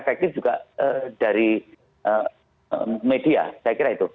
dan sangat efektif juga dari media saya kira itu